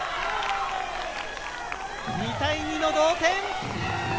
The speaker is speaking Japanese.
２対２の同点。